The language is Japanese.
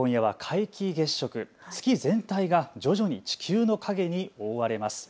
今夜は皆既月食、月全体が徐々に地球の影に覆われます。